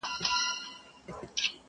محتسب مي دي وهي په دُرو ارزي,